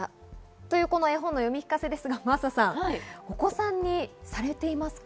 という絵本の読み聞かせですが、真麻さん、お子さんにされていますか？